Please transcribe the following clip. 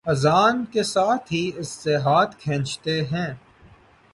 اذان کے ساتھ ہی اس سے ہاتھ کھینچتے ہیں